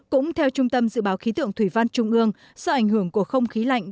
cũng theo trung tâm dự báo khí tượng thủy văn trung ương do ảnh hưởng của không khí lạnh